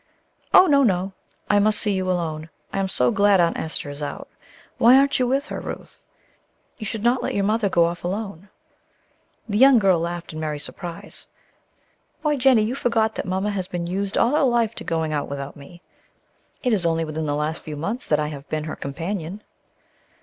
"Oh, no, no! I must see you alone. I am so glad Aunt Esther is out. Why aren't you with her, Ruth? You should not let your mother go off alone." The young girl laughed in merry surprise. "Why, Jennie, you forgot that Mamma has been used all her life to going out without me; it is only within the last few months that I have been her companion."